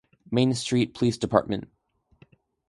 Main Street Police Dept.